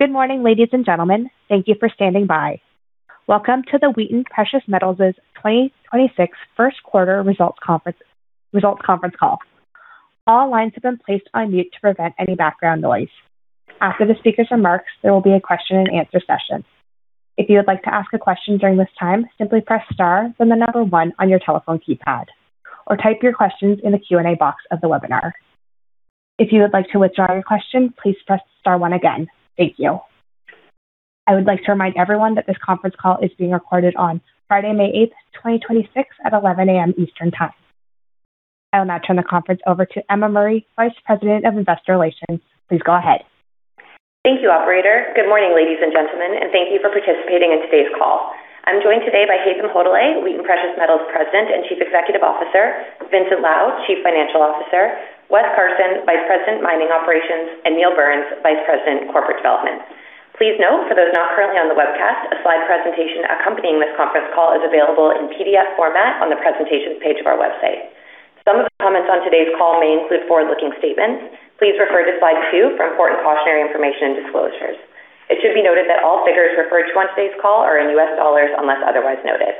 Good morning, ladies and gentlemen. Thank you for standing by. Welcome to the Wheaton Precious Metals' 2026 first quarter results conference call. All lines have been placed on mute to prevent any background noise. After the speaker's remarks, there will be a question-and-answer session. If you would like to ask a question during this time, simply press star, then the number one on your telephone keypad, or type your questions in the Q&A box of the webinar. If you would like to withdraw your question, please press star one again. Thank you. I would like to remind everyone that this conference call is being recorded on Friday, May 8, 2026, at 11:00 A.M. Eastern Time. I will now turn the conference over to Emma Murray, Vice President of Investor Relations. Please go ahead. Thank you, operator. Good morning, ladies and gentlemen, and thank you for participating in today's call. I am joined today by Haytham Hodaly, Wheaton Precious Metals President and Chief Executive Officer, Vincent Lau, Chief Financial Officer, Wes Carson, Vice President, Mining Operations, and Neil Burns, Vice President, Corporate Development. Please note, for those not currently on the webcast, a slide presentation accompanying this conference call is available in PDF format on the Presentations page of our website. Some of the comments on today's call may include forward-looking statements. Please refer to slide 2 for important cautionary information and disclosures. It should be noted that all figures referred to on today's call are in U.S. dollars unless otherwise noted.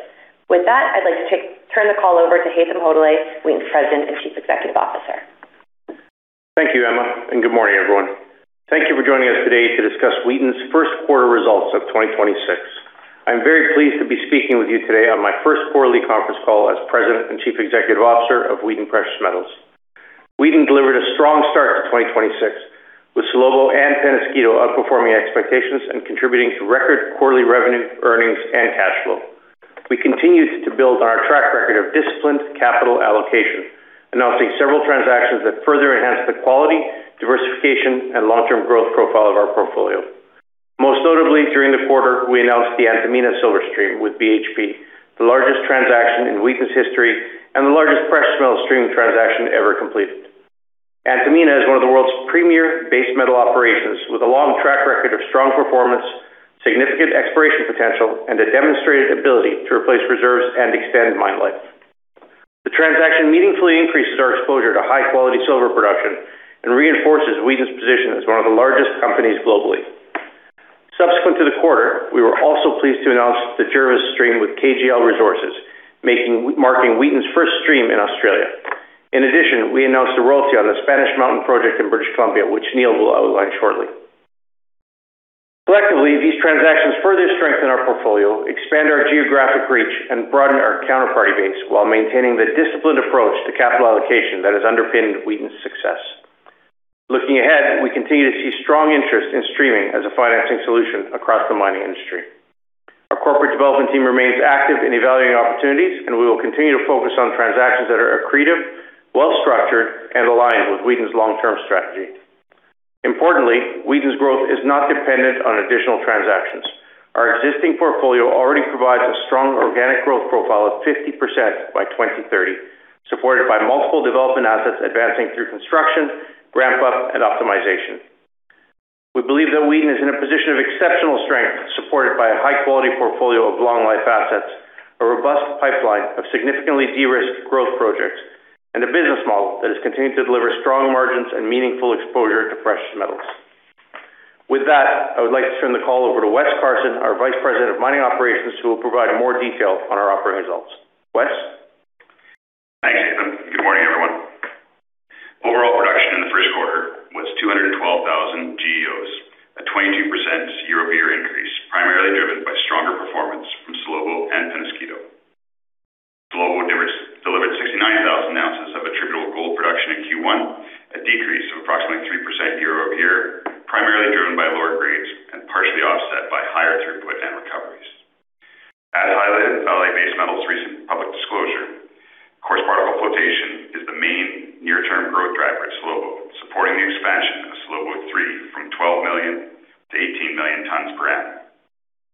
With that, I would like to turn the call over to Haytham Hodaly, Wheaton's President and Chief Executive Officer. Thank you, Emma, and good morning, everyone. Thank you for joining us today to discuss Wheaton's 1st quarter results of 2026. I'm very pleased to be speaking with you today on my 1st quarterly conference call as President and Chief Executive Officer of Wheaton Precious Metals. Wheaton delivered a strong start to 2026, with Salobo and Penasquito outperforming expectations and contributing to record quarterly revenue, earnings, and cash flow. We continued to build on our track record of disciplined capital allocation, announcing several transactions that further enhance the quality, diversification, and long-term growth profile of our portfolio. Most notably, during the quarter, we announced the Antamina silver stream with BHP, the largest transaction in Wheaton's history and the largest precious metal streaming transaction ever completed. Antamina is one of the world's premier base metal operations with a long track record of strong performance, significant exploration potential, and a demonstrated ability to replace reserves and extend mine life. The transaction meaningfully increases our exposure to high-quality silver production and reinforces Wheaton's position as one of the largest companies globally. Subsequent to the quarter, we were also pleased to announce the Jervois stream with KGL Resources, marking Wheaton's first stream in Australia. In addition, we announced a royalty on the Spanish Mountain project in British Columbia, which Neil will outline shortly. Collectively, these transactions further strengthen our portfolio, expand our geographic reach, and broaden our counterparty base while maintaining the disciplined approach to capital allocation that has underpinned Wheaton's success. Looking ahead, we continue to see strong interest in streaming as a financing solution across the mining industry. Our corporate development team remains active in evaluating opportunities, and we will continue to focus on transactions that are accretive, well-structured, and aligned with Wheaton's long-term strategy. Importantly, Wheaton's growth is not dependent on additional transactions. Our existing portfolio already provides a strong organic growth profile of 50% by 2030, supported by multiple development assets advancing through construction, ramp up, and optimization. We believe that Wheaton is in a position of exceptional strength, supported by a high-quality portfolio of long-life assets, a robust pipeline of significantly de-risked growth projects, and a business model that is continuing to deliver strong margins and meaningful exposure to precious metals. With that, I would like to turn the call over to Wes Carson, our Vice President of Mining Operations, who will provide more detail on our operating results. Wes? Thanks, Haytham. Good morning, everyone. Overall production in the first quarter was 212,000 GEOs, a 22% year-over-year increase, primarily driven by stronger performance from Salobo and Penasquito. Salobo delivered 69,000 ounces of attributable gold production in Q1, a decrease of approximately 3% year-over-year, primarily driven by lower grades and partially offset by higher throughput and recoveries. As highlighted in Vale Base Metals' recent public disclosure, coarse particle flotation is the main near-term growth driver at Salobo, supporting the expansion of Salobo three from 12 million to 18 million tons per annum,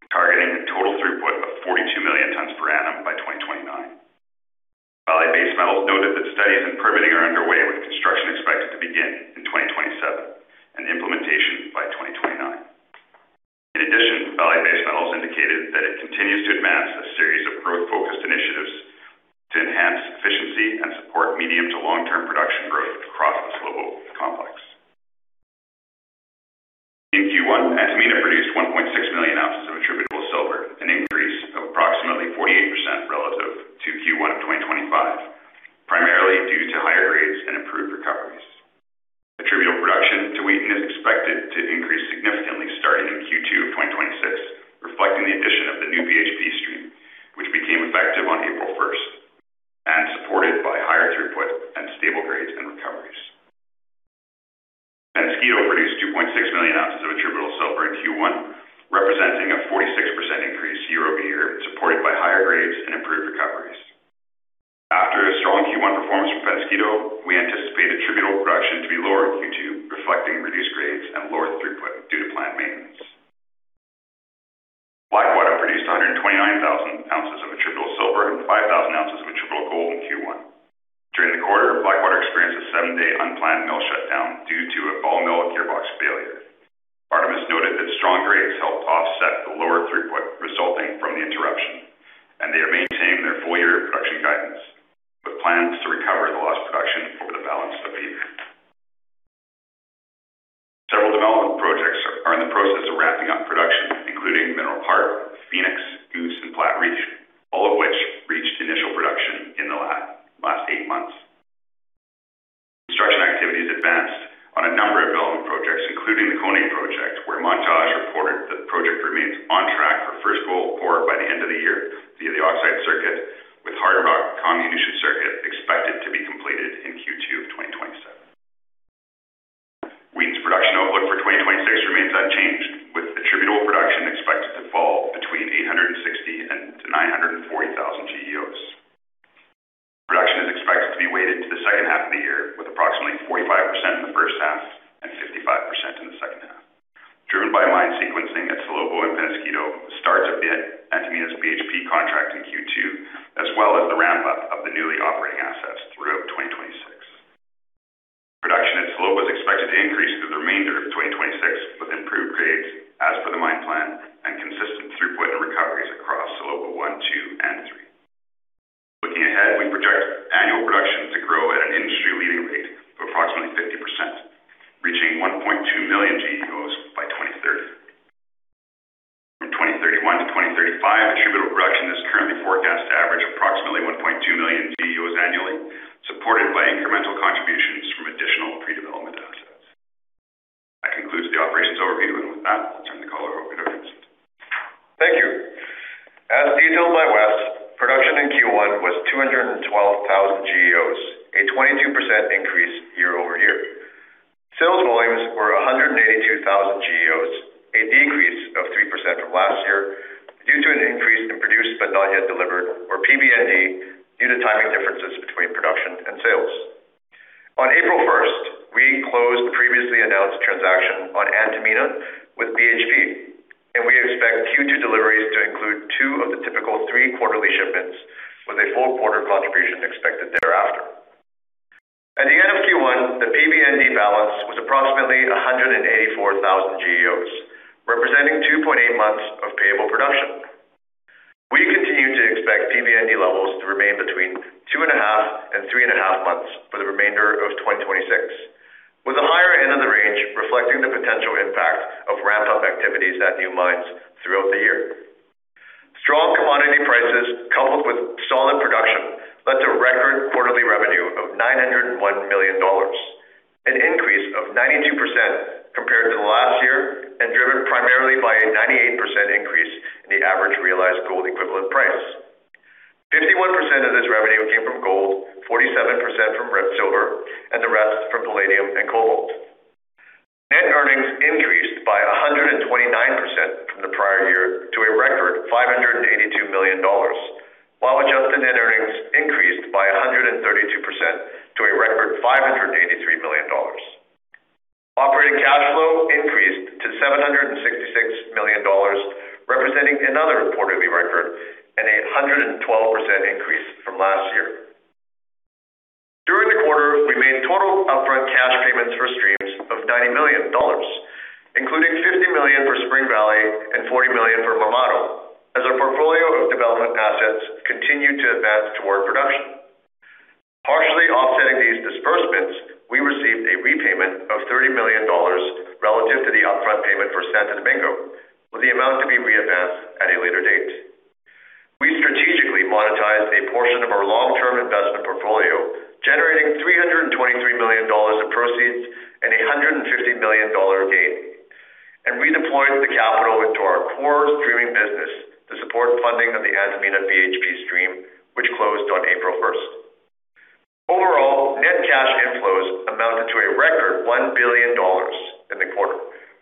targeting a total throughput of 42 million tons per annum by 2029. Vale Base Metals noted that studies and permitting are underway, with construction expected to begin in 2027 and implementation by 2029. In addition, Vale Base Metals indicated that it continues to advance a series of growth-focused initiatives to enhance efficiency and support medium- to long-term production growth across the Salobo complex. In Q1, Antamina produced 1.6 million ounces of attributable silver, an increase of approximately 48% relative to Q1 of 2025, primarily due to higher grades and improved recoveries. Attributable production to Wheaton is expected to increase significantly starting in Q2 of 2026, reflecting the addition of the new BHP stream, which became effective on April 1st and supported by higher throughput and stable grades and recoveries. Penasquito produced 2.6 million ounces of attributable silver in Q1, representing a 46% increase year-over-year, supported by higher grades and improved recoveries. After a strong Q1 performance from Penasquito, we anticipate attributable production to be lower in Q2, reflecting reduced grades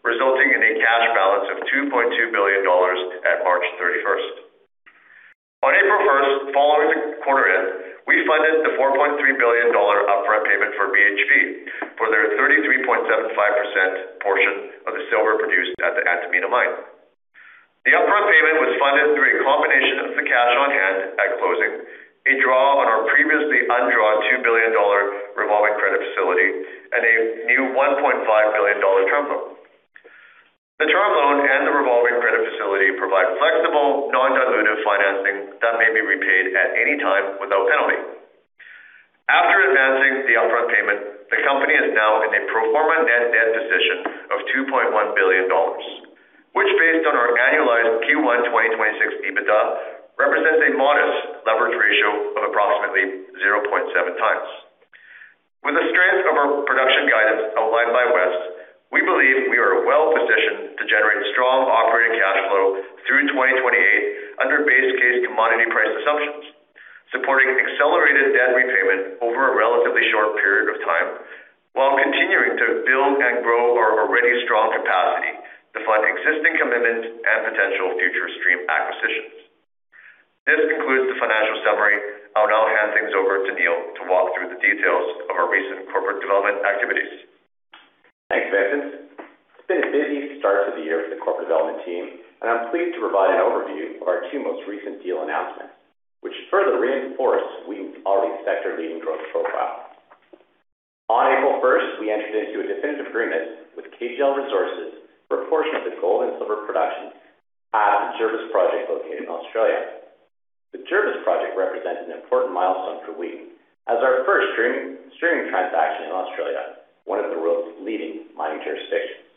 resulting in a cash balance of $2.2 billion at March 31st. On April 1st, following the quarter end, we funded the $4.3 billion upfront payment for BHP for their 33.75% portion of the silver produced at the Antamina mine. The upfront payment was funded through a combination of the cash on hand at closing, a draw on our previously undrawn $2 billion revolving credit facility, and a new $1.5 billion term loan. The term loan and the revolving credit facility provide flexible non-dilutive financing that may be repaid at any time without penalty. After advancing the upfront payment, the company is now in a pro forma net debt position of $2.1 billion, which based on our annualized Q1 2026 EBITDA, represents a modest leverage ratio of approximately 0.7 times. With the strength of our production guidance outlined by Wes, we believe we are well-positioned to generate strong operating cash flow through 2028 under base case commodity price assumptions, supporting accelerated debt repayment over a relatively short period of time while continuing to build and grow our already strong capacity to fund existing commitments and potential future stream acquisitions. This concludes the financial summary. I'll now hand things over to Neil to walk through the details of our recent corporate development activities. Thanks, Vincent. It's been a busy start to the year for the corporate development team, and I'm pleased to provide an overview of our two most recent deal announcements, which further reinforce Wheaton's already sector-leading growth profile. On April first, we entered into a definitive agreement with KGL Resources for a portion of the gold and silver production Jervois project located in Australia. The Jervois project represents an important milestone for Wheaton as our first streaming transaction in Australia, one of the world's leading mining jurisdictions.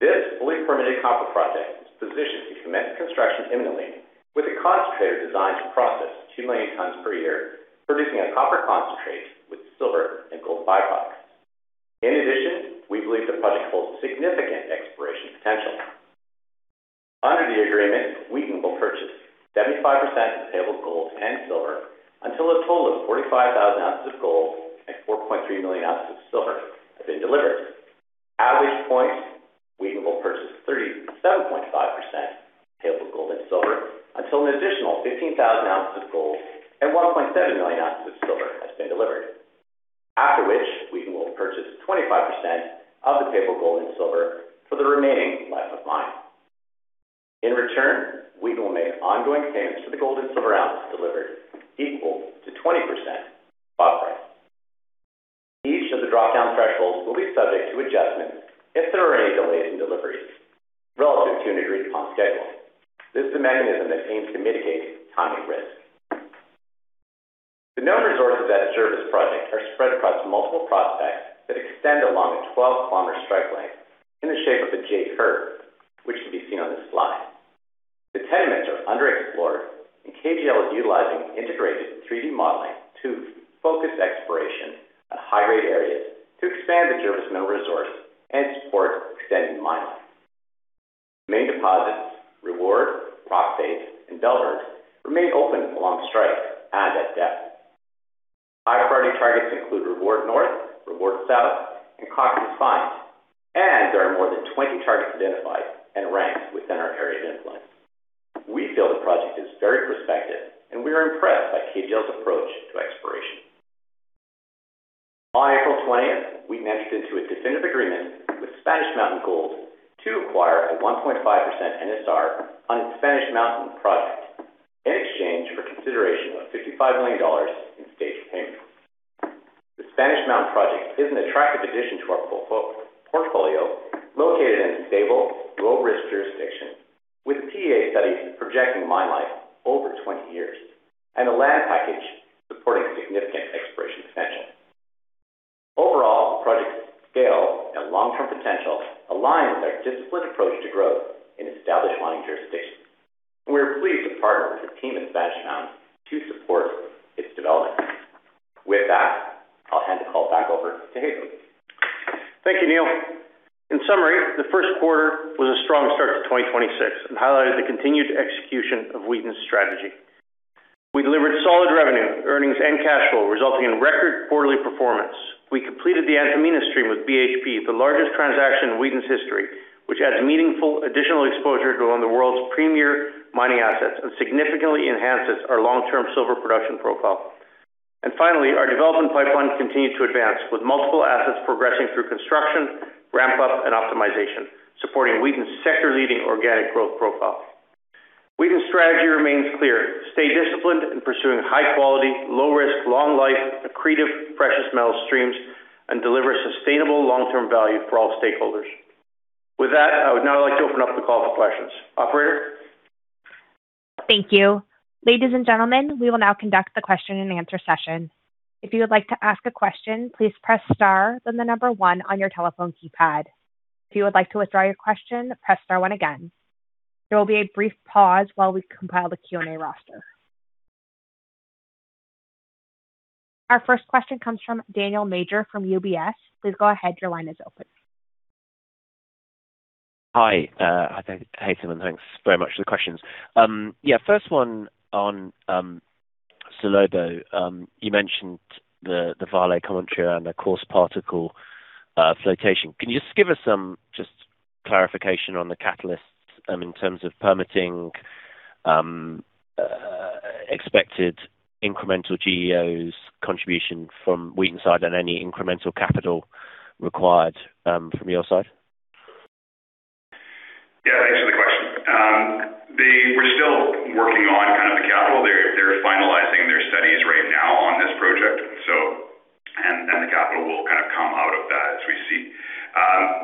This fully permitted copper project is positioned to commence construction imminently with a concentrator designed to process 2 million tons per year, producing a copper concentrate with silver and gold by-products. We believe the project holds significant exploration potential. Under the agreement, Wheaton will purchase 75% of the payable gold and silver until a total of 45,000 ounces of gold and 4.3 million ounces of silver have been delivered. At which point, Wheaton will purchase 37.5% of the payable gold and silver until an additional 15,000 ounces of gold and 1.7 million ounces of silver has been delivered. After which Wheaton will purchase 25% of the payable gold and silver for the remaining life of mine. In return, Wheaton will make ongoing payments for the gold and silver ounces delivered equal to 20% spot price. Each of the dropdown thresholds will be subject to adjustment if there are any delays in deliveries relative to an agreed-upon schedule. This is a mechanism that aims to mitigate timing risk. The known resources at a Jervois Project are spread across multiple prospects that extend along a 12-kilometer strike length in the shape of a J-curve, which can be seen on this slide. The tenements are underexplored, and KGL is utilizing integrated 360 modeling to focus exploration on high-grade areas to expand the Jervois known resource and support extended mine life. Main deposits, Reward, Prospect and Delbert remain open along strike and at depth. High priority targets include Reward North, Reward South, and Cochrane's Find, and there are more than 20 targets identified and ranked within our area of influence. We feel the project is very prospective, and we are impressed by KGL's approach to exploration. On April 20, we entered into a definitive agreement with Spanish Mountain Gold to acquire a 1.5% NSR on its Spanish Mountain project in exchange for consideration of $55 million in staged payments. The Spanish Mountain project is an attractive addition to our portfolio, located in a stable, low-risk jurisdiction with a PEA study projecting mine life over 20 years and a land package supporting significant exploration potential. Overall, the project's scale and long-term potential align with our disciplined approach to growth in established mining jurisdictions. We are pleased to partner with the team at Spanish Mountain to support its development. With that, I'll hand the call back over to Haytham. Thank you, Neil. In summary, the first quarter was a strong start to 2026 and highlighted the continued execution of Wheaton's strategy. We delivered solid revenue, earnings and cash flow, resulting in record quarterly performance. We completed the Antamina stream with BHP, the largest transaction in Wheaton's history, which adds meaningful additional exposure to one of the world's premier mining assets and significantly enhances our long-term silver production profile. Finally, our development pipeline continued to advance, with multiple assets progressing through construction, ramp up and optimization, supporting Wheaton's sector-leading organic growth profile. Wheaton's strategy remains clear: stay disciplined in pursuing high quality, low risk, long life, accretive precious metal streams and deliver sustainable long-term value for all stakeholders. With that, I would now like to open up the call for questions. Operator? Thank you. Ladies and gentlemen, we will now conduct the question and answer session. If you would like to ask a question, please press star then the number one on your telephone keypad. If you would like to withdraw your question, press star one again. There will a brief pause while we compile the Q&A roster. Our first question comes from Daniel Major from UBS. Please go ahead. Your line is open. Hi, hi there, Haytham. Thanks very much for the questions. Yeah, first one on Salobo. You mentioned the Vale commentary around the coarse particle flotation. Can you just give us some just clarification on the catalysts, in terms of permitting, expected incremental GEOs contribution from Wheaton's side and any incremental capital required from your side? Yeah, thanks for the question. We're still working on kind of the capital. They're finalizing their studies right now on this project. The capital will kind of come out of that as we see.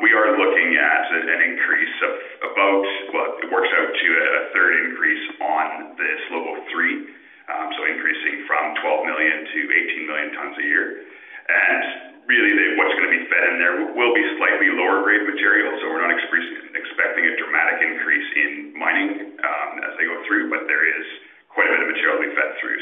We are looking at an increase of about, well, it works out to a third increase on this level three. Increasing from 12 million to 18 million tons a year. Really, what's gonna be fed in there will be slightly lower grade material. We're not expecting a dramatic increase in mining, as they go through, but there is quite a bit of material being fed through.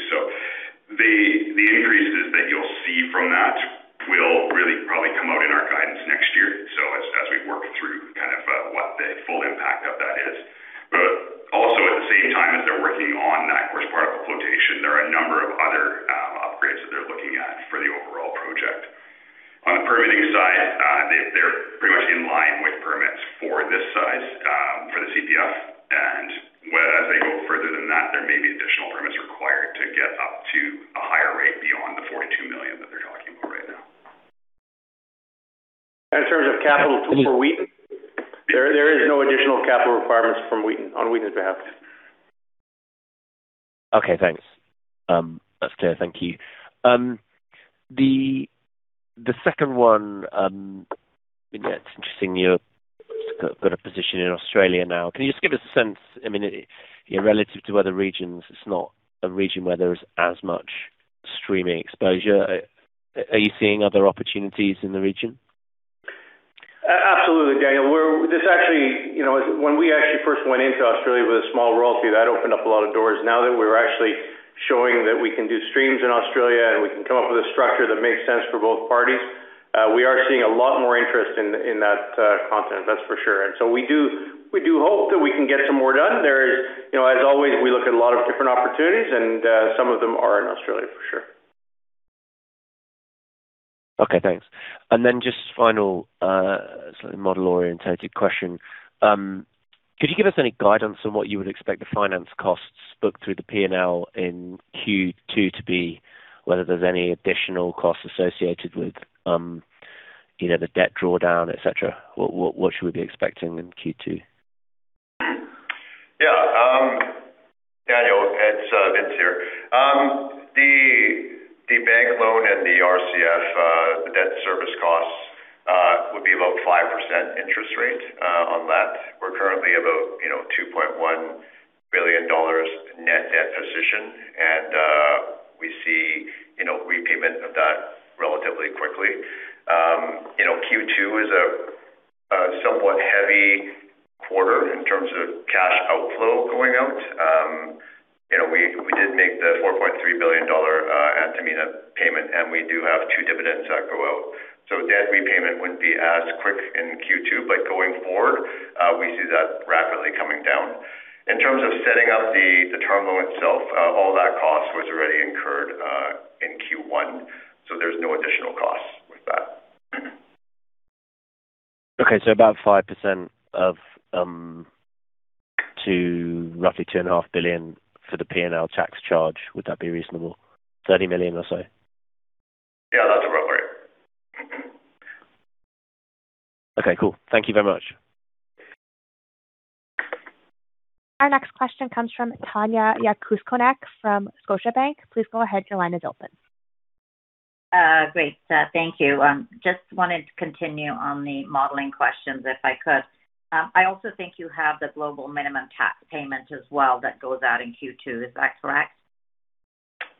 The increases that you'll see from that will really probably come out in our guidance next year. As we work through kind of, what the full impact of that is. Also at the same time as they're working on that coarse particle flotation, there are a number of other upgrades that they're looking at for the overall project. On the permitting side, they're pretty much in line with permits for this size for the CPF. As they go further than that, there may be additional permits required to get up to a higher rate beyond the $42 million that they're talking about right now. In terms of capital for Wheaton, there is no additional capital requirements from Wheaton on Wheaton's behalf. Okay, thanks. That's clear. Thank you. The second one, that's interesting, you've got a position in Australia now. Can you just give us a sense, I mean, you know, relative to other regions, it's not a region where there is as much streaming exposure. Are you seeing other opportunities in the region? Absolutely, Daniel. This actually, you know, when we actually first went into Australia with a small royalty, that opened up a lot of doors. Now that we're actually showing that we can do streams in Australia, and we can come up with a structure that makes sense for both parties, we are seeing a lot more interest in that continent, that's for sure. We do hope that we can get some more done. There is, you know, as always, we look at a lot of different opportunities, and some of them are in Australia, for sure. Okay, thanks. Then just final, slightly model-oriented question. Could you give us any guidance on what you would expect the finance costs booked through the P&L in Q2 to be, whether there's any additional costs associated with, you know, the debt drawdown, et cetera. What should we be expecting in Q2? Yeah. Daniel, it's Vince here. The bank loan and the RCF, the debt service costs would be about 5% interest rate on that. We're currently about, you know, a $2.1 billion net debt position. We see, you know, repayment of that relatively quickly. You know, Q2 is a somewhat heavy quarter in terms of cash outflow going out. You know, we did make the $4.3 billion Antamina payment, we do have two dividends that go out. Debt repayment wouldn't be as quick in Q2, but going forward, we see that rapidly coming down. In terms of setting up the term loan itself, all that cost was already incurred in Q1, there's no additional costs with that. Okay. About 5% of, to roughly $2.5 billion for the P&L tax charge. Would that be reasonable? $30 million or so? Yeah, that's about right. Okay, cool. Thank you very much. Our next question comes from Tanya Jakusconek from Scotiabank. Please go ahead, your line is open. Great. Thank you. Just wanted to continue on the modeling questions, if I could. I also think you have the global minimum tax payment as well that goes out in Q2. Is that correct?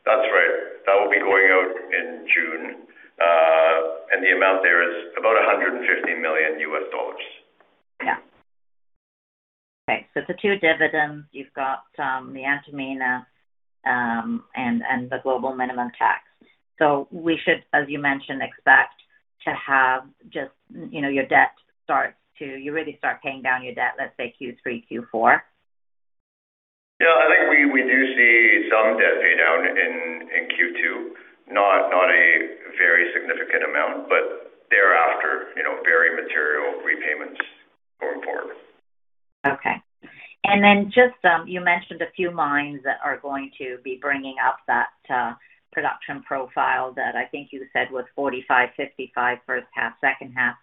That's right. That will be going out in June. The amount there is about $150 million. Yeah. Okay. The two dividends, you've got the Antamina and the global minimum tax. We should, as you mentioned, expect to have just, you know, you really start paying down your debt, let's say Q3, Q4? Yeah. I think we do see some debt pay down in Q2. Not a very significant amount. Thereafter, you know, very material repayments going forward. Okay. You mentioned a few mines that are going to be bringing up that production profile that I think you said was 45, 55 first half, second half.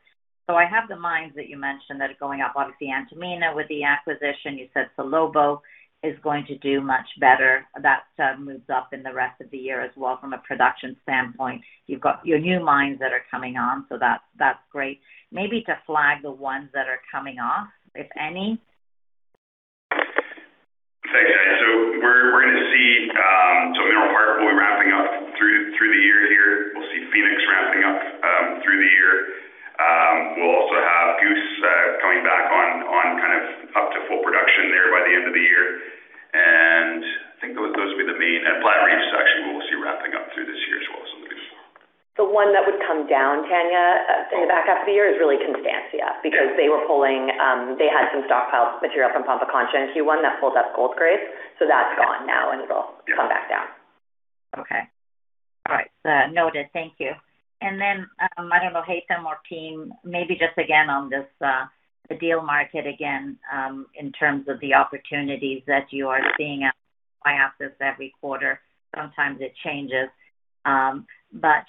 The mines that you mentioned that are going up, obviously Antamina with the acquisition. You said Salobo is going to do much better. That moves up in the rest of the year as well from a production standpoint. You've got your new mines that are coming on, so that's great. Maybe to flag the ones that are coming off, if any. Thanks, Tanya. We're gonna see Mineral Park will be ramping up through the year here. We'll see Phoenix ramping up through the year. We'll also have Goose coming back on kind of up to full production there by the end of the year. I think those will be the main. Platreef section, we'll see ramping up through this year as well, so that would be four. The one that would come down, Tanya, in the back half of the year is really Constancia because they were pulling, they had some stockpiled material from Pampacancha in Q1 that pulled up gold grades. That's gone now, and it'll come back down. Okay. All right. Noted. Thank you. I don't know, Haytham or team, maybe just again on this, the deal market again, in terms of the opportunities that you are seeing at our offices every quarter. Sometimes it changes.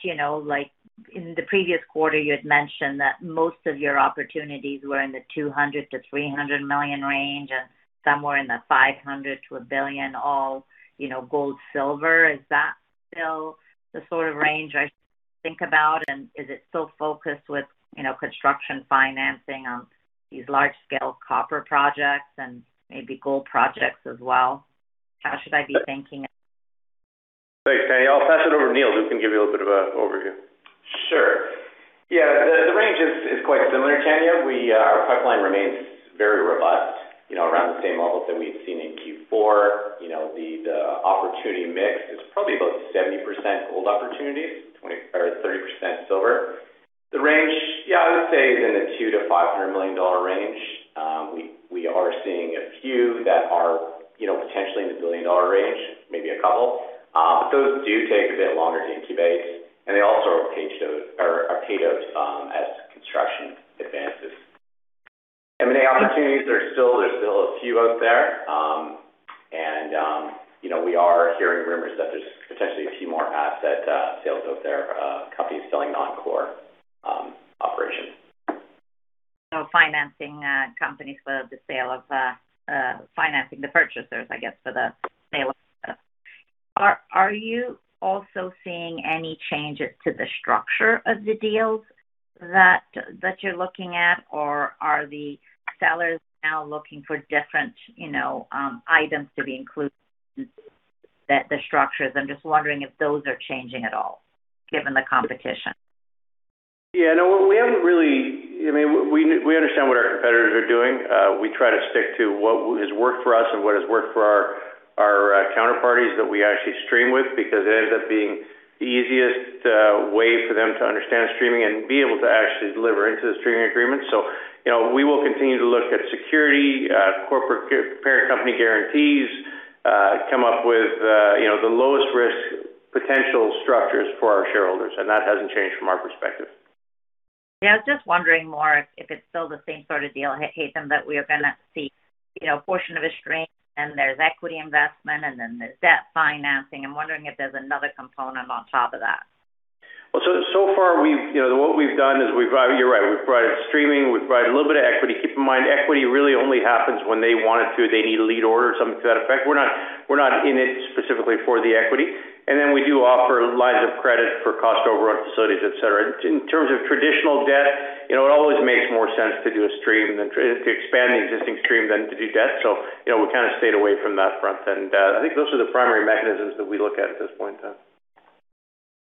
You know, like in the previous quarter, you had mentioned that most of your opportunities were in the $200 million-$300 million range and somewhere in the $500 million-$1 billion, all, you know, gold, silver. Is that still the sort of range I think about? Is it still focused with, you know, construction financing on these large scale copper projects and maybe gold projects as well? How should I be thinking? Thanks, Tanya. I'll pass it over to Neil, who can give you a bit of a overview. Sure. Yeah. The range is quite similar, Tanya. We, our pipeline remains very robust, you know, around the same levels that we've seen in Q4. You know, the opportunity mix is probably about 70% gold opportunities, 20% or 30% silver. The range, yeah, I would say is in the $200 million-$500 million range. We are seeing a few that are, you know, potentially in the $1 billion range, maybe a couple. But those do take a bit longer to incubate, and they also are paid out as construction advances. M&A opportunities, there's still a few out there. You know, we are hearing rumors that there's potentially a few more asset sales out there, companies selling non-core assets. Financing companies for the sale of financing the purchasers, I guess, for the sale. Are you also seeing any changes to the structure of the deals that you're looking at, or are the sellers now looking for different, you know, items to be included that the structures? I'm just wondering if those are changing at all given the competition. Yeah, no, we haven't really, I mean, we understand what our competitors are doing. We try to stick to what has worked for us and what has worked for our counterparties that we actually stream with because it ends up being the easiest way for them to understand streaming and be able to actually deliver into the streaming agreement. You know, we will continue to look at security, corporate parent company guarantees, come up with, you know, the lowest risk potential structures for our shareholders, that hasn't changed from our perspective. Yeah, I was just wondering more if it's still the same sort of deal, Haytham, that we are gonna see, you know, a portion of a stream, and there's equity investment, and then there's debt financing. I'm wondering if there's another component on top of that. Well, so far we've, you know, what we've done is we've provided, you're right, we've provided streaming, we've provided a little bit of equity. Keep in mind, equity really only happens when they want it to. They need a lead order or something to that effect. We're not in it specifically for the equity. We do offer lines of credit for cost over our facilities, et cetera. In terms of traditional debt, you know, it always makes more sense to do a stream than to expand the existing stream than to do debt. You know, we kinda stayed away from that front-end debt. I think those are the primary mechanisms that we look at at this point in time.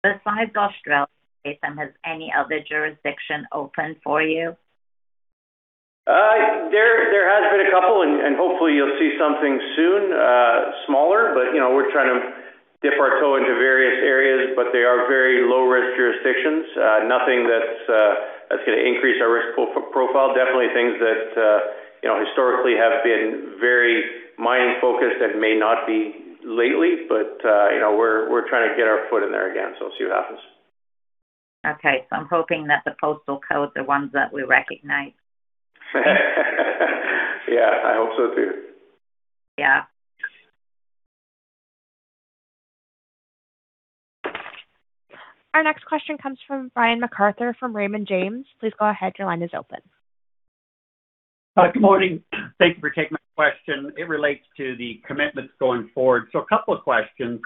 Besides Australia, Haytham, has any other jurisdiction opened for you? There has been a couple and, hopefully you'll see something soon, smaller. You know, we're trying to dip our toe into various areas, but they are very low-risk jurisdictions. Nothing that's that's gonna increase our risk profile. Definitely things that, you know, historically have been very mining focused and may not be lately. You know, we're trying to get our foot in there again, so we'll see what happens. Okay. I'm hoping that the postal codes are ones that we recognize. Yeah, I hope so too. Yeah. Our next question comes from Brian MacArthur from Raymond James. Please go ahead. Your line is open. Good morning. Thank you for taking my question. It relates to the commitments going forward. A couple of questions.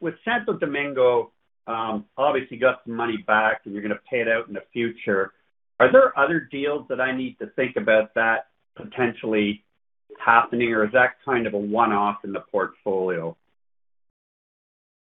With Santo Domingo, obviously you got some money back, and you're gonna pay it out in the future. Are there other deals that I need to think about that potentially happening, or is that kind of a one-off in the portfolio?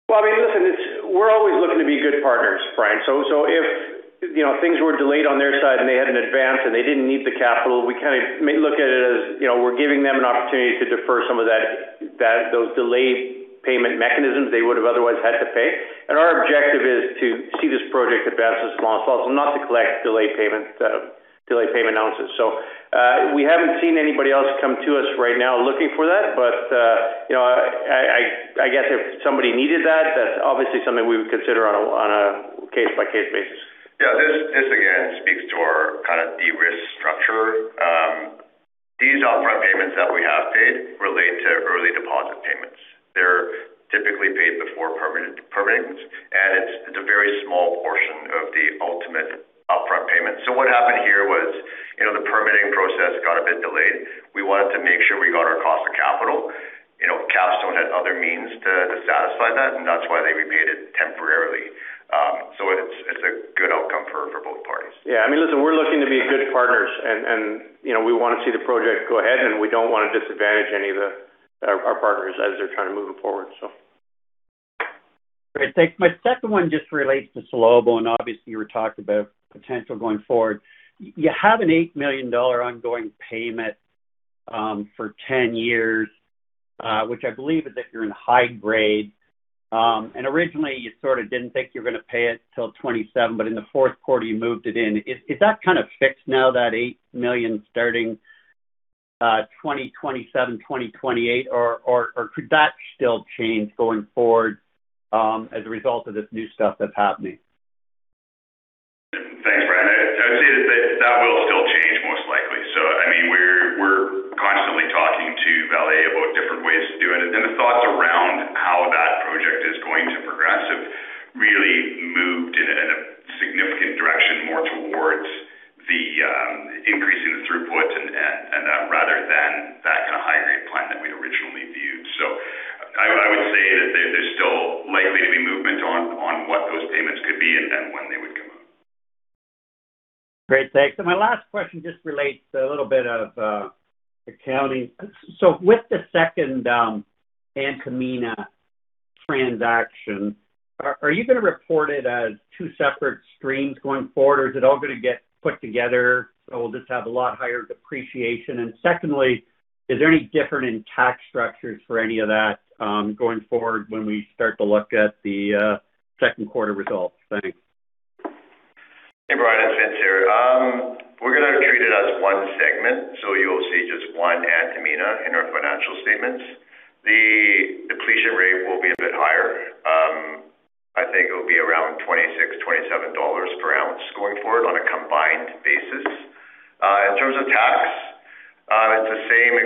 Well, I mean, listen, we're always looking to be good partners, Brian. If, you know, things were delayed on their side and they had an advance and they didn't need the capital, we kinda may look at it as, you know, we're giving them an opportunity to defer some of that, those delayed payment mechanisms they would have otherwise had to pay. Our objective is to see this project advance as well. Not to collect delayed payments, delayed payment announcements. We haven't seen anybody else come to us right now looking for that. You know, I guess if somebody needed that's obviously something we would consider on a case-by-case basis. Yeah. This, again, speaks to our kind of de-risk structure. These upfront payments that we have paid relate to early deposit payments. They're typically paid before permitting, and it's a very small portion of the ultimate upfront payment. What happened here was, you know, the permitting process got a bit delayed. We wanted to make sure we got our cost of capital. You know, Capstone had other means to satisfy that, and that's why they repaid it temporarily. It's a good outcome for both parties. Yeah. I mean, listen, we're looking to be good partners and, you know, we wanna see the project go ahead, and we don't wanna disadvantage any of the, our partners as they're trying to move it forward, so. Great. Thanks. My second one just relates to Salobo, and obviously, you were talking about potential going forward. You have an $8 million ongoing payment for 10 years, which I believe is if you're in high grade. Originally, you sort of didn't think you were gonna pay it till 2027, but in the 4th quarter, you moved it in. Is that kind of fixed now, that $8 million starting 2027, 2028, or could that still change going forward as a result of this new stuff that's happening? Thanks, Brian. I would say that will still change most likely. I mean, we're constantly talking to Vale about different ways to do it. The thoughts around how that project is going to progress have really moved in a significant direction more towards the increasing the throughput and that, rather than that kind of high-grade plan that we'd originally viewed. I would say that there's still likely to be movement on what those payments could be and then when they would come out. Great. Thanks. My last question just relates to a little bit of accounting. With the second Antamina transaction, are you gonna report it as two separate streams going forward, or is it all gonna get put together, so we'll just have a lot higher depreciation? Secondly, is there any different in tax structures for any of that going forward when we start to look at the second quarter results? Thanks. Hey, Brian, it's Vince here. We're gonna treat it as one segment, so you'll see just one Antamina in our financial statements. The depletion rate will be a bit higher. I think it'll be around $26-$27 per ounce going forward on a combined basis. In terms of tax, it's the same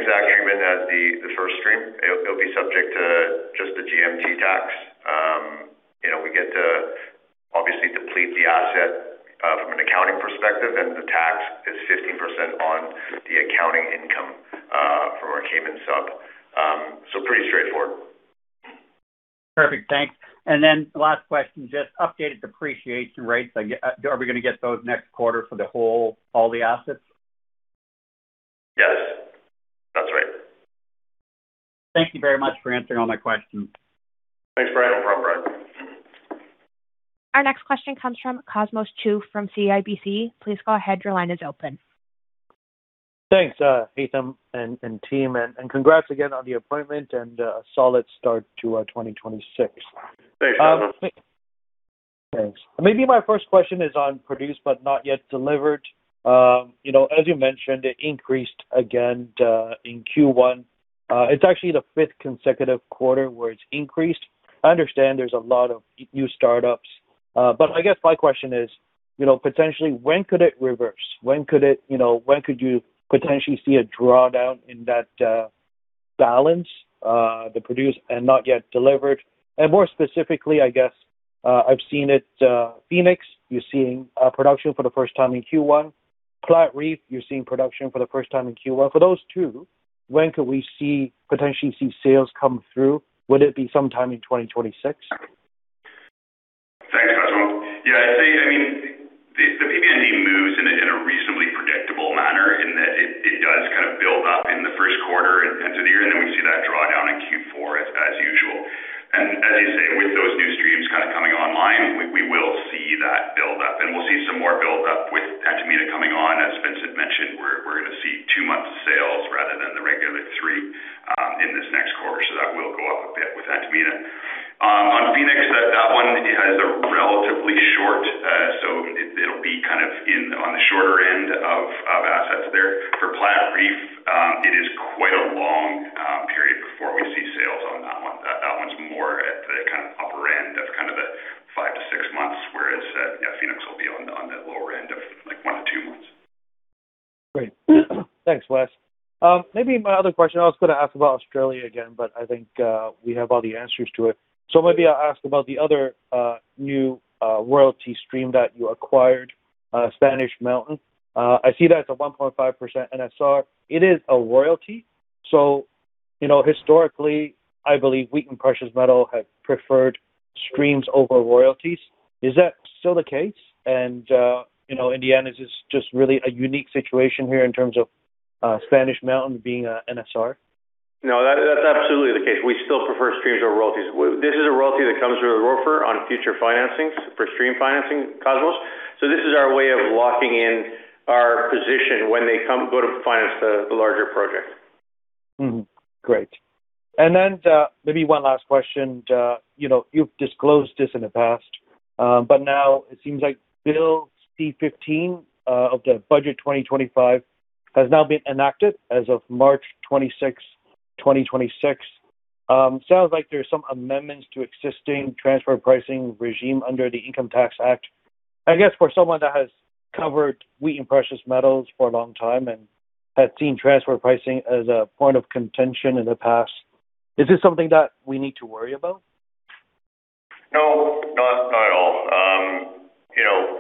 just the GMT tax. you know, we get to obviously deplete the asset, from an accounting perspective, and the tax is 15% on the accounting income, from our Cayman sub. Pretty straightforward. Perfect. Thanks. Last question, just updated depreciation rates. Are we gonna get those next quarter for all the assets? Yes, that's right. Thank you very much for answering all my questions. Thanks for having on board. Our next question comes from Cosmos Chiu from CIBC. Please go ahead. Your line is open. Thanks, Haytham and team, and congrats again on the appointment and a solid start to 2026. Thanks, Cosmos. Thanks. Maybe my first question is on produce but not yet delivered. as you mentioned, it increased again, in Q1. It's actually the 5th consecutive quarter where it's increased. I understand there's a lot of new startups. I guess my question is, potentially when could it reverse? When could it, when could you potentially see a drawdown in that balance, the produce and not yet delivered? More specifically, I guess, I've seen it, Phoenix, you're seeing production for the first time in Q1. Platreef, you're seeing production for the first time in Q1. For those two, when could we potentially see sales come through? Would it be sometime in 2026? Thanks, Cosmos. Yeah, I'd say, I mean, the PP&E moves in a reasonably predictable manner in that it does kind of build up in the first quarter at the end of the year, and then we see that drawdown in Q4 as usual. As you say, with those new streams kind of coming online, we will see that build up, and we'll see some more build up with Antamina coming on. As Vincent mentioned, we're gonna see two months of sales rather than the regular three in this next quarter. That will go up a bit with Antamina. On Phoenix, that one has a relatively short, so it'll be on the shorter end of assets there. For Platreef, it is quite a long period before we see sales on that one. That one's more at the kind of upper end of kind of the five to six months, whereas, yeah, Phoenix will be on the lower end of, like, one to two months. Great. Thanks, Wes. Maybe my other question, I was gonna ask about Australia again, but I think we have all the answers to it. Maybe I'll ask about the other new royalty stream that you acquired, Spanish Mountain. I see that it's a 1.5% NSR. It is a royalty. You know, historically, I believe Wheaton Precious Metals have preferred streams over royalties. Is that still the case? You know, Indiana is just really a unique situation here in terms of Spanish Mountain being a NSR. No, that's absolutely the case. We still prefer streams over royalties. This is a royalty that comes with a ROFR on future financings for stream financing, Cosmos. This is our way of locking in our position when they come, go to finance the larger project. Great. Maybe one last question. You know, you've disclosed this in the past, but now it seems like Bill C-15 of the budget 2025 has now been enacted as of March 26, 2026. Sounds like there's some amendments to existing transfer pricing regime under the Income Tax Act. I guess for someone that has covered Wheaton Precious Metals for a long time and have seen transfer pricing as a point of contention in the past, is this something that we need to worry about? No, not at all. You know,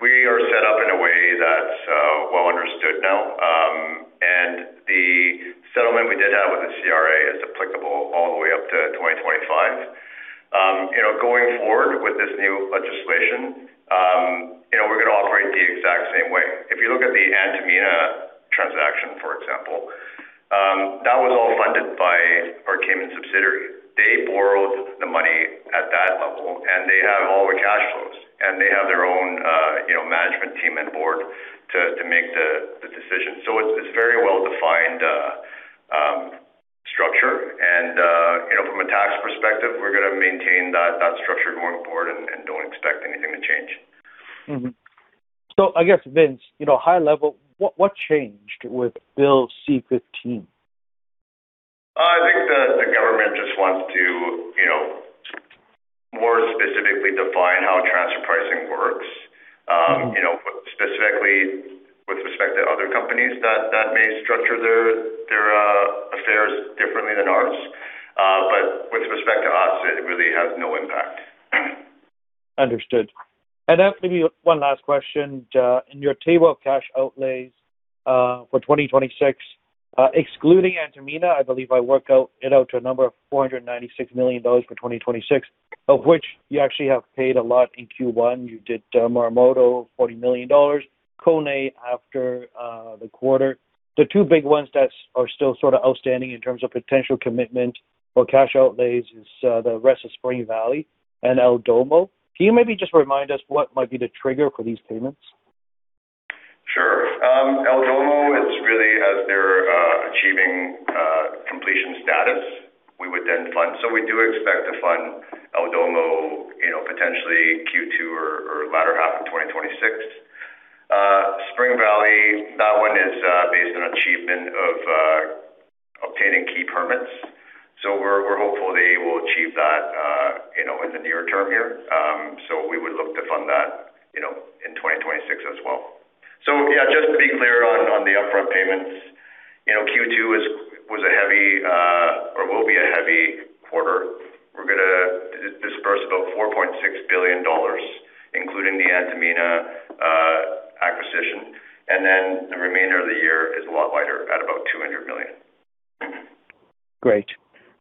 we are set up in a way that's well understood now. And the settlement we did have with the CRA is applicable all the way up to 2025. You know, going forward with this new legislation, you know, we're going to operate the exact same way. If you look at the Antamina transaction, for example, that was all funded by our Cayman subsidiary. They borrowed the money at that level, and they have all the cash flows, and they have their own, you know, management team and board to make the decision. It's very well-defined structure. You know, from a tax perspective, we're going to maintain that structure going forward and don't expect anything to change. I guess, Vince, you know, high level, what changed with Bill C-15? I think the government just wants to, you know, more specifically define how transfer pricing works. You know, specifically with respect to other companies that may structure their affairs differently than ours. With respect to us, it really has no impact. Understood. Maybe one last question. In your table of cash outlays for 2026, excluding Antamina, I believe I work it out to a number of $496 million for 2026, of which you actually have paid a lot in Q1. You did Marmato, $40 million, Koné after the quarter. The two big ones that are still sort of outstanding in terms of potential commitment for cash outlays is the rest of Spring Valley and El Domo. Can you maybe just remind us what might be the trigger for these payments? Sure. El Domo is really as they're achieving completion status, we would then fund. We do expect to fund El Domo, you know, potentially Q2 or latter half of 2026. Spring Valley, that one is based on achievement of obtaining key permits. We're hopeful they. With the near term here. We would look to fund that, you know, in 2026 as well. Yeah, just to be clear on the upfront payments, you know, Q2 is, was a heavy, or will be a heavy quarter. We're gonna disburse about $4.6 billion, including the Antamina acquisition. The remainder of the year is a lot lighter at about $200 million. Great.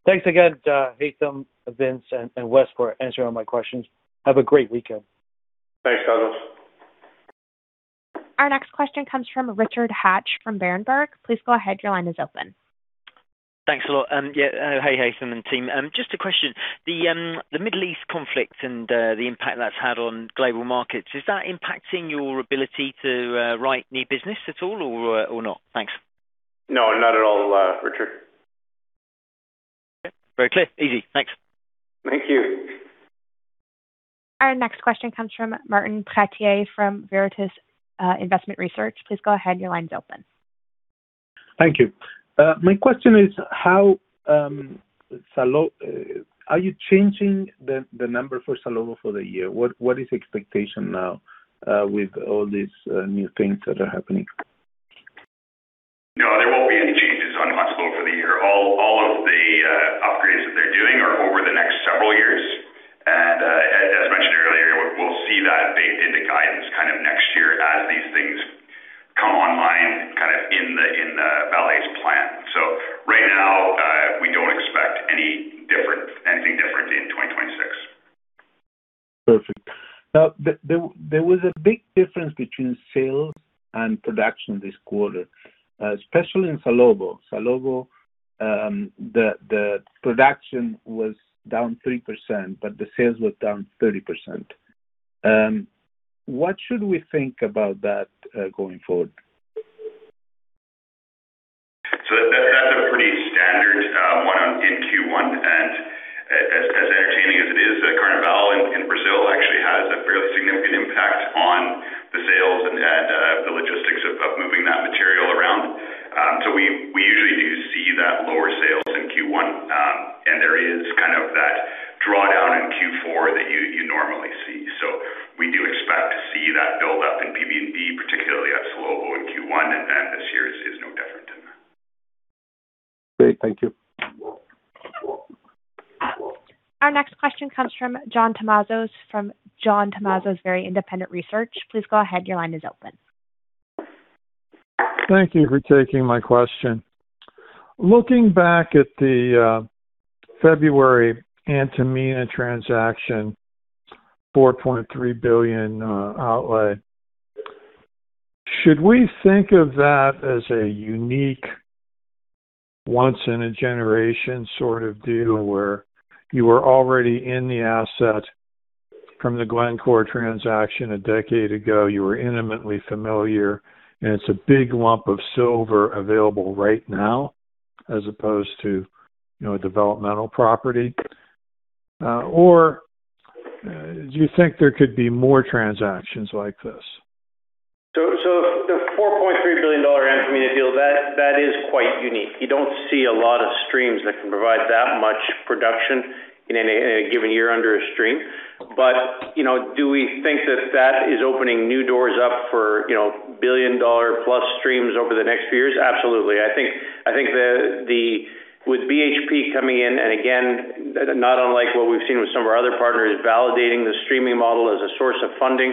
Thanks again, Haytham, Vince, and Wes for answering all my questions. Have a great weekend. Thanks, Cosmos. Our next question comes from Richard Hatch from Berenberg. Please go ahead. Your line is open. Thanks a lot. Yeah, hey, Haytham and team. Just a question. The Middle East conflict and the impact that's had on global markets, is that impacting your ability to write new business at all or not? Thanks. No, not at all, Richard. Okay. Very clear. Easy. Thanks. Thank you. Our next question comes from Martin Pradier from Veritas Investment Research. Please go ahead. Your line's open. Thank you. My question is how are you changing the number for Salobo for the year? What is expectation now with all these new things that are happening? No, there won't be any changes on Salobo for the year. All of the upgrades that they're doing are over the next several years. As mentioned earlier, we'll see that baked into guidance kind of next year as these things come online, kind of in the Vale's plan. Right now, we don't expect anything different in 2026. Perfect. There was a big difference between sales and production this quarter, especially in Salobo. Salobo, the production was down 3%, but the sales were down 30%. What should we think about that going forward? That's a pretty standard one on in Q1. As entertaining as it is, the Carnival in Brazil actually has a fairly significant impact on the sales and the logistics of moving that material around. We usually do see that lower sales in Q1, and there is kind of that drawdown in Q4 that you normally see. We do expect to see that build up in PBND, particularly at Salobo in Q1, and then this year is no different than that. Great. Thank you. Our next question comes from John Tumazos from John Tumazos Very Independent Research. Please go ahead. Your line is open. Thank you for taking my question. Looking back at the February Antamina transaction, $4.3 billion outlay, should we think of that as a unique once in a generation sort of deal where you were already in the asset from the Glencore transaction a decade ago, you were intimately familiar, and it's a big lump of silver available right now, as opposed to, you know, a developmental property? Or do you think there could be more transactions like this? The $4.3 billion Antamina deal, that is quite unique. You don't see a lot of streams that can provide that much production in any given year under a stream. You know, do we think that that is opening new doors up for, you know, billion-dollar-plus streams over the next few years? Absolutely. I think the with BHP coming in, and again, not unlike what we've seen with some of our other partners, validating the streaming model as a source of funding,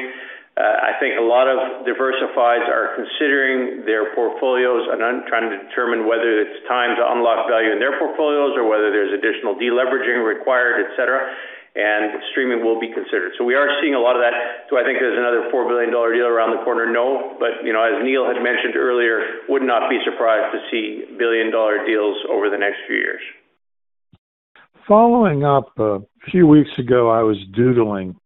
I think a lot of diversifies are considering their portfolios and trying to determine whether it's time to unlock value in their portfolios or whether there's additional deleveraging required, et cetera, and streaming will be considered. We are seeing a lot of that. Do I think there's another $4 billion deal around the corner? No. You know, as Neil had mentioned earlier, would not be surprised to see billion-dollar deals over the next few years. Following up, a few weeks ago, I was doodling,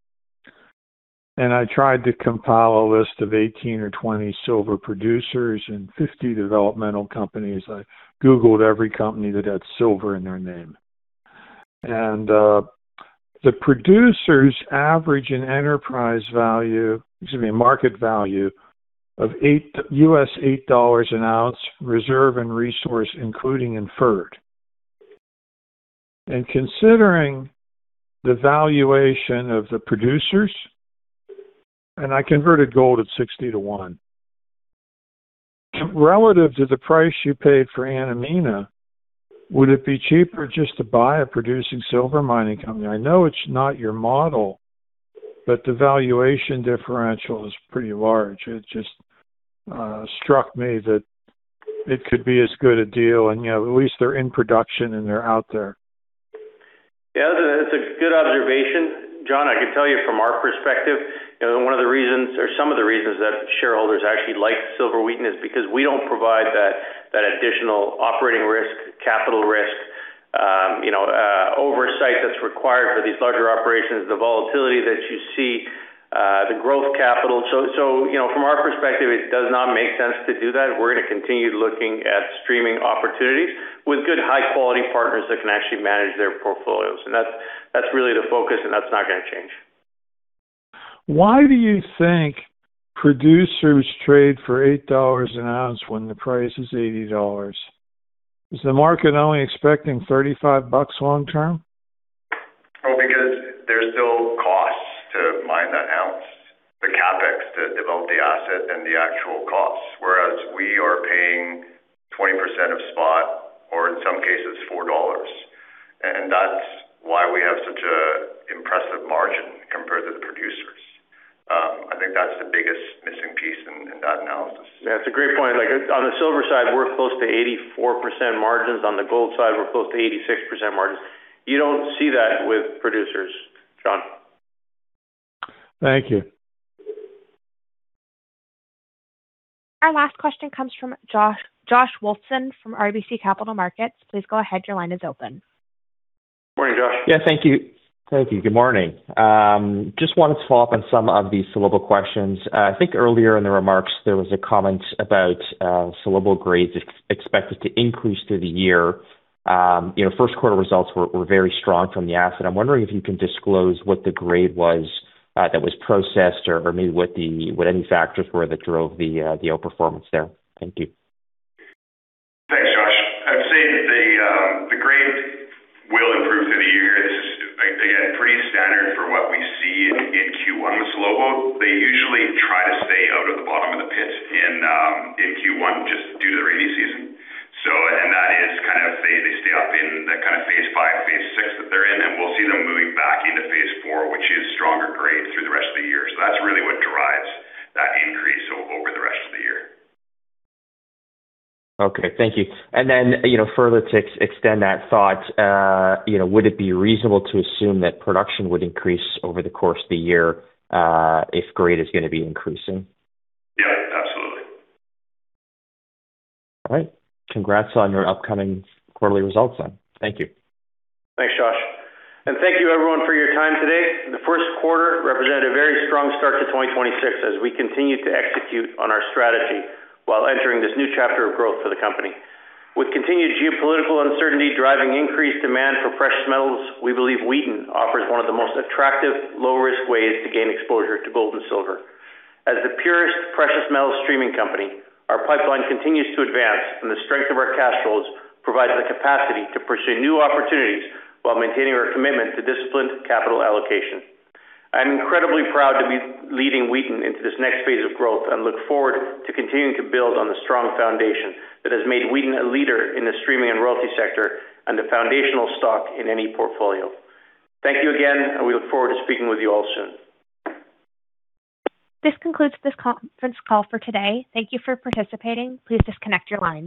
and I tried to compile a list of 18 or 20 silver producers and 50 developmental companies. I googled every company that had silver in their name. The producers average in enterprise value, excuse me, market value of $8 an ounce reserve and resource, including inferred. Considering the valuation of the producers, and I converted gold at 60 to 1. Relative to the price you paid for Antamina, would it be cheaper just to buy a producing silver mining company? I know it's not your model, but the valuation differential is pretty large. It just struck me that it could be as good a deal, and, you know, at least they're in production and they're out there. That's a good observation, John. I can tell you from our perspective, one of the reasons or some of the reasons that shareholders actually like Silver Wheaton because we don't provide that additional operating risk, capital risk, oversight that's required for these larger operations, the volatility that you see, the growth capital. From our perspective, it does not make sense to do that. We're gonna continue looking at streaming opportunities with good high-quality partners that can actually manage their portfolios. That's really the focus, and that's not gonna change. Why do you think producers trade for $8 an ounce when the price is $80? Is the market only expecting $35 long term? Well, because there's still costs to mine that ounce, the CapEx to develop the asset and the actual costs. Whereas we are paying 20% of spot, or in some cases, $4. That's why we have such a impressive margin compared to the producers. I think that's the biggest missing piece in that analysis. Yeah, it's a great point. Like on the silver side, we're close to 84% margins. On the gold side, we're close to 86% margins. You don't see that with producers, John. Thank you. Our last question comes from Josh Wolfson from RBC Capital Markets. Please go ahead. Your line is open. Morning, Josh. Yeah, thank you. Thank you. Good morning. Just wanted to follow up on some of these Salobo questions. I think earlier in the remarks, there was a comment about Salobo grades expected to increase through the year. You know, 1st quarter results were very strong from the asset. I'm wondering if you can disclose what the grade was that was processed or, I mean, what any factors were that drove the outperformance there. Thank you. Thanks, Josh. I'd say that the grade will improve through the year. It's, like again, pretty standard for what we see in Q1 with Salobo. They usually try to stay out of the bottom of the pit in Q1 just due to the rainy season. That is kind of they stay up in that kind of phase five, phase six that they're in, and we'll see them moving back into phase four, which is stronger grade through the rest of the year. That's really what drives that increase over the rest of the year. Okay. Thank you. You know, further to extend that thought, you know, would it be reasonable to assume that production would increase over the course of the year, if grade is gonna be increasing? Yeah, absolutely. All right. Congrats on your upcoming quarterly results then. Thank you. Thanks, Josh. Thank you everyone for your time today. The first quarter represented a very strong start to 2026 as we continue to execute on our strategy while entering this new chapter of growth for the company. With continued geopolitical uncertainty driving increased demand for precious metals, we believe Wheaton offers one of the most attractive low-risk ways to gain exposure to gold and silver. As the purest precious metal streaming company, our pipeline continues to advance, and the strength of our cash flows provides the capacity to pursue new opportunities while maintaining our commitment to disciplined capital allocation. I'm incredibly proud to be leading Wheaton into this next phase of growth and look forward to continuing to build on the strong foundation that has made Wheaton a leader in the streaming and royalty sector and the foundational stock in any portfolio. Thank you again, and we look forward to speaking with you all soon. This concludes this conference call for today. Thank you for participating. Please disconnect your lines.